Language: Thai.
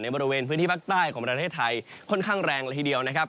บริเวณพื้นที่ภาคใต้ของประเทศไทยค่อนข้างแรงละทีเดียวนะครับ